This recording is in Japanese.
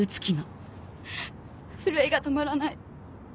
震えが止まらない。